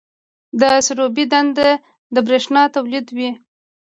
د سروبي بند بریښنا تولیدوي